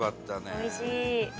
おいしい！